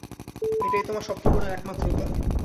এটাই তোমার স্বপ্নপূরণের একমাত্র উপায়!